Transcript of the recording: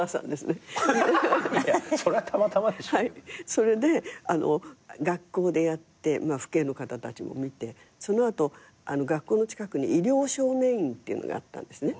それで学校でやって父兄の方たちも見てその後学校の近くに医療少年院っていうのがあったんですね。